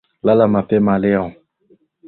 Lala mapema leo.